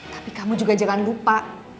tapi kamu juga jangan lupa